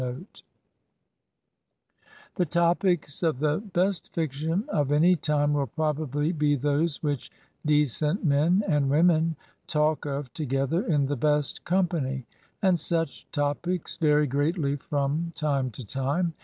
39 Digitized by VjOOQIC HEROINES OF FICTION The topics of the best fiction of any time will probably be those which decent men and women talk of together in the best company; and such topics vary greatly from time to time.